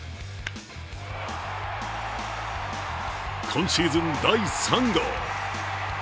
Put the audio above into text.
今シーズン第３号。